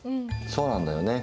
そうなんだよね。